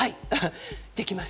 できます。